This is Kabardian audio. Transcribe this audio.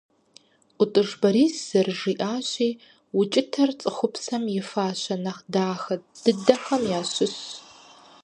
ӀутӀыж Борис зэрыжиӀащи укӀытэр цӀыхупсэм и фащэ нэхъ дахэ дыдэхэм ящыщщ.